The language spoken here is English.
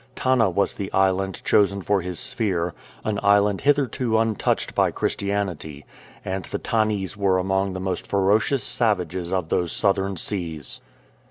Tanna was the island chosen for his sphere, an island hitherto untouched by Christianity ; and the Tannese were among the most ferocious savages of those southern seas.